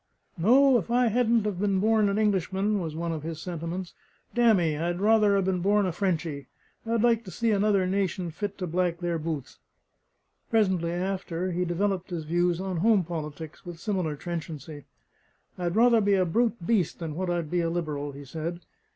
"No, if I hadn't have been born an Englishman," was one of his sentiments, "damn me! I'd rather 'a been born a Frenchy! I'd like to see another nation fit to black their boots." Presently after, he developed his views on home politics with similar trenchancy. "I'd rather be a brute beast than what I'd be a liberal," he said.